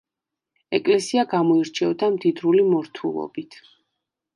ეკლესია გამოირჩეოდა მდიდრული მორთულობით.